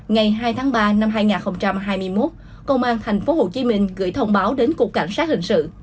ngày hai tháng ba năm hai nghìn hai mươi một công an tp hcm gửi thông báo đến cục cảnh sát hình sự